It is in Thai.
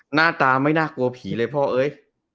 หน้าตาไม่น่ากลัวผีเลยพ่อเอ้ย